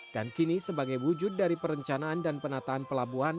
dan kini sebagai wujud dari perencanaan dan penataan pelabuhan